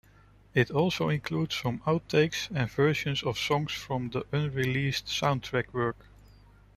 It also includes some outtakes and versions of songs from then unreleased soundtrack work.